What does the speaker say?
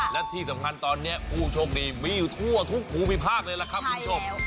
และที่สำคัญตอนนี้ผู้โชคดีมีอยู่ทั่วทุกภูมิภาคเลยล่ะครับคุณผู้ชม